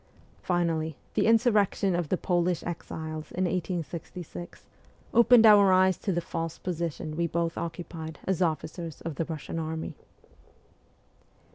Finally, the insurrection of the Polish exiles in 1866 opened our eyes to the false position we both occupied as officers of the Eussian army.